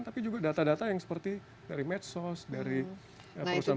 tapi juga data data yang seperti dari medsos dari perusahaan perusahaan